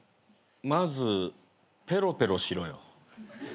まずペロペロしろよ。